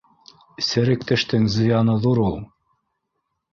— Серек тештең зыяны ҙур ул.